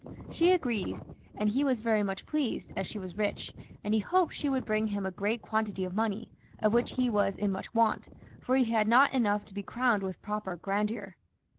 She agreed, and he was very much pleased, as she was rich, and he hoped she would bring him a great quantity of money, of which he was in much want, for he had not enough to be crowned with proper grandeur.